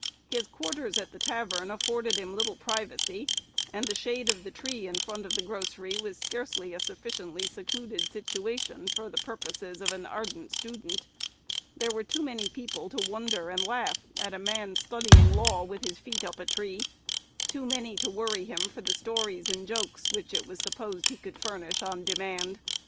His quarters at the tavern afforded him little privacy, and the shade of the tree in front of the grocery was scarcely a sufficiently secluded situation for the purposes of an ardent student. There were too many people to wonder and laugh at a man studying law with "his feet up a tree;" too many to worry him for the stories and jokes which it was supposed he could furnish on demand.